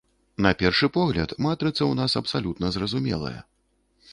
На першы погляд, матрыца ў нас абсалютна зразумелая.